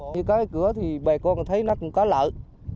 như cái cửa thì bè con thấy nó cũng có lợi